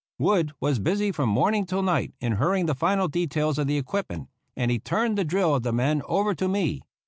Wood was busy from morning till night in hurry ing the final details 6f the equipment, and he turned the drill of the men over to me.